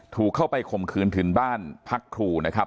ถูกเข้าไปข่มขืนถึงบ้านพักครูนะครับ